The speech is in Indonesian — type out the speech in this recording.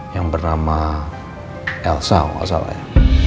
yang bernama elsa kalau gak salah ya